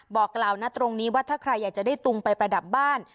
บอกกล่าวนะตรงนี้ว่าถ้าใครอยากจะได้ตุงไปประดับบ้าน